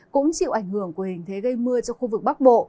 cũng chịu ảnh hưởng của hình thế gây mưa cho khu vực bắc bộ